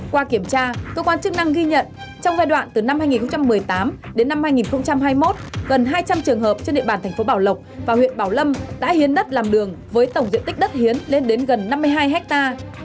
qua kiểm tra cơ quan chức năng ghi nhận trong giai đoạn từ năm hai nghìn một mươi tám đến năm hai nghìn hai mươi một gần hai trăm linh trường hợp trên địa bàn thành phố bảo lộc và huyện bảo lâm đã hiến đất làm đường với tổng diện tích đất hiến lên đến gần năm mươi hai hectare